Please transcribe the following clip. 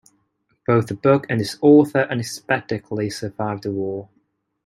Both the book and its author unexpectedly survived the war.